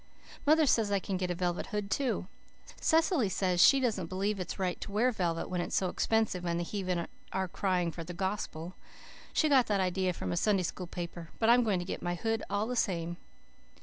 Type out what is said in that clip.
Mother says I can get a velvet hood too. Cecily says she doesn't believe it's right to wear velvet when it's so expensive and the heathen are crying for the gospel. She got that idea from a Sunday School paper but I am going to get my hood all the same.